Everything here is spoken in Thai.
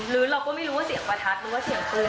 หรือเราก็ไม่รู้ว่าเสียงประทัดหรือว่าเสียงปืน